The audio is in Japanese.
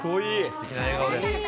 すてきな笑顔です。